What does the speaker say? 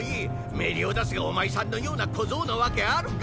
メリオダスがお前さんのような小僧なわけあるか！